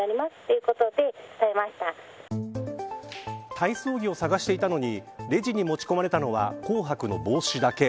体操着を探していたのにレジに持ち込まれたのは紅白の帽子だけ。